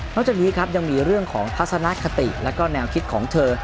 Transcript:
จากนี้ครับยังมีเรื่องของทัศนคติแล้วก็แนวคิดของเธอ